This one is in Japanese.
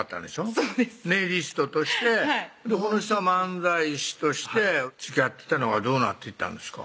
そうですネイリストとしてこの人は漫才師としてつきあってたのがどうなっていったんですか？